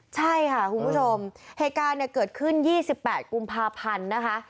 ใช่ค่ะคุณผู้ชมเหตุการณ์เนี่ยเกิดขึ้น๒๘กุมภาพันธ์นะคะ